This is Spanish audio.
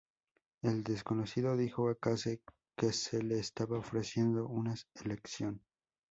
El desconocido dijo a Case que se le estaba ofreciendo una elección.